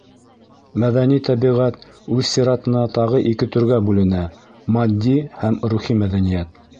Мәҙәни тәбиғәт үҙ сиратында тағы ике төргә бүленә: матди һәм рухи мәҙәниәт.